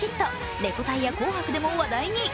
「レコ大」や「紅白」でも話題に。